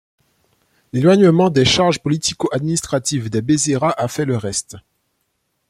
L'éloignement des charges politico-administratives des Bezerra a fait le reste.